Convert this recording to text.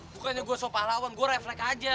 bukannya gue sopah lawan gue reflek aja